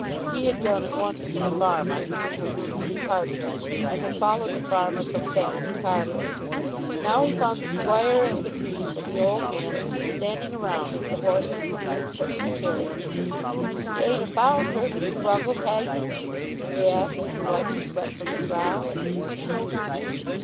He had gone at once to the farm on hearing of Ruby's departure, and had followed the farmer from thence to Carbury. Now he found the squire and the priest and the old man standing around as the horses were being put to the carriage. "Ye ain't a' found her, Mr. Ruggles, ha' ye?" he asked as he wiped the sweat from his brow.